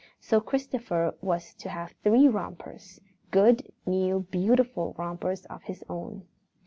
So Christopher was to have three rompers good, new, beautiful rompers of his own.